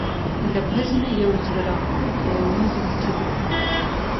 له پزې نه یو زړه راښکونکی اواز وتله.